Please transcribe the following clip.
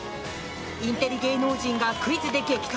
インテリ芸能人がクイズで激突。